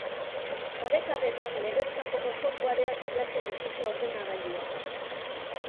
Sarekadetan, legez kanpoko softwareak bilatzen dituzte ordenagailuetan.